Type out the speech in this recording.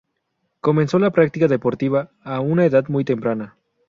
Comenzó la práctica deportiva a una edad muy temprana.